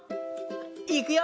いくよ！